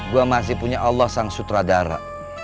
gue masih punya allah sang sutradara